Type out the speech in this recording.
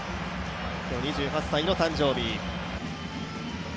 今日、２８歳の誕生日。